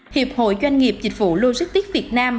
hiệp hội doanh nghiệp dịch vụ logistics việt nam